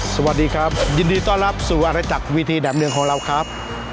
สวัสดีครับยินดีต้อนรับสู่อาณาจักรวีทีแดมเมืองของเราครับ